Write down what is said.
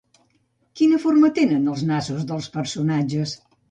Quina forma tenen els nassos dels personatges?